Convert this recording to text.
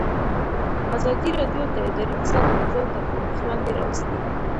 ازادي راډیو د اداري فساد موضوع تر پوښښ لاندې راوستې.